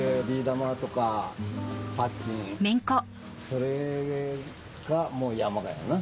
それがもう山だよな。